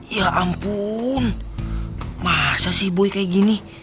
ya ampun masa sih buy kayak gini